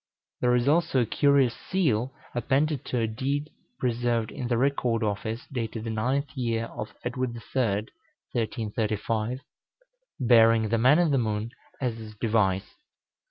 There is also a curious seal appended to a deed preserved in the Record Office, dated the 9th year of Edward the Third (1335), bearing the man in the moon as its device.